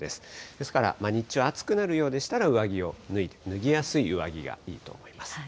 ですから日中、暑くなるようでしたら、上着を脱いで、脱ぎやすい上着がいいと思います。